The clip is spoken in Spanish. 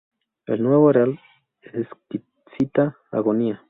El Nuevo Herald "Exquisita Agonía"